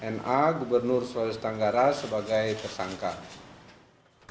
na gubernur sulawesi tenggara sebagai tersangka